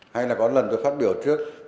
hay là có lần tôi phát biểu trước